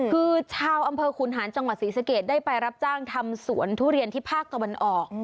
คือชาวอำเภอขุนหานจังหวัดศรีสะเกดได้ไปรับจ้างทำสวนทุเรียนที่ภาคตะวันออก